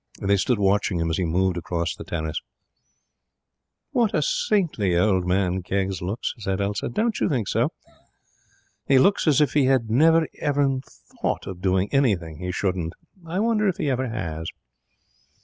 They stood watching him as he moved across the terrace. 'What a saintly old man Keggs looks,' said Elsa. 'Don't you think so? He looks as if he had never even thought of doing anything he shouldn't. I wonder if he ever has?'